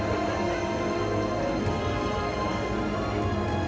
ก็ยังมีปัญหาราคาเข้าเปลือกก็ยังลดต่ำลง